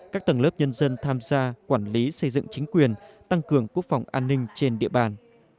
các tầng lớp nhân dân tham gia quản lý xây dựng chính quyền tăng cường quốc phòng an ninh trên địa bàn